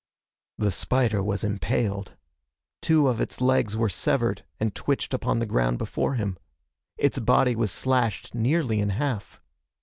The spider was impaled. Two of its legs were severed and twitched upon the ground before him. Its body was slashed nearly in half.